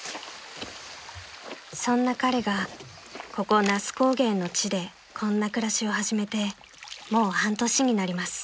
［そんな彼がここ那須高原の地でこんな暮らしを始めてもう半年になります］